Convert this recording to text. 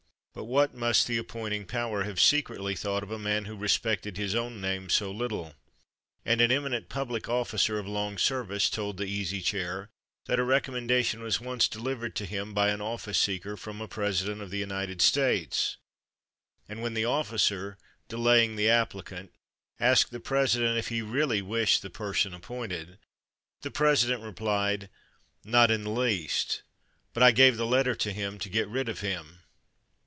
But what must the appointing power have secretly thought of a man who respected his own name so little? And an eminent public officer of long service told the Easy Chair that a recommendation was once delivered to him by an office seeker from a President of the United States; and when the officer, delaying the applicant, asked the President if he really wished the person appointed, the President replied, "Not in the least; but I gave the letter to him to get rid of him."